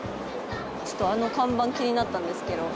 ちょっとあの看板気になったんですけど。